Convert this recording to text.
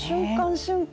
瞬間